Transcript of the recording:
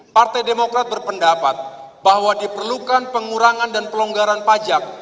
partai demokrat berpendapat bahwa diperlukan pengurangan dan pelonggaran pajak